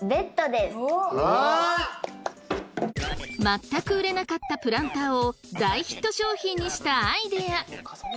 全く売れなかったプランターを大ヒット商品にしたアイデア。